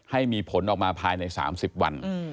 ให้มีผลออกมาภายใน๓๐วัน